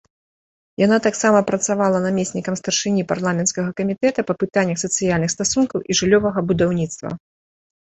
Яна таксама працавала намеснікам старшыні парламенцкага камітэта па пытаннях сацыяльных стасункаў і жыллёвага будаўніцтва.